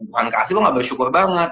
tuhan kasih lo gak bersyukur banget